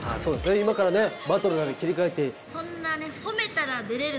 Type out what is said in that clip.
今からねバトルなので切り替えて。